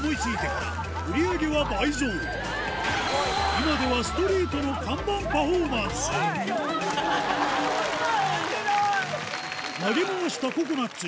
今ではストリートの看板パフォーマンスココナツ。